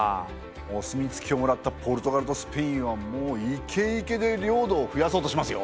お墨付きをもらったポルトガルとスペインはもうイケイケで領土を増やそうとしますよ。